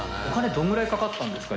どのぐらいかかったんですか？